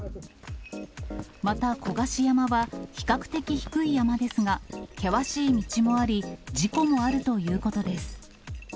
また古賀志山は比較的低い山ですが、険しい道もあり、事故もあるということです。